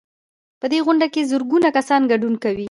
په دې غونډه کې زرګونه کسان ګډون کوي.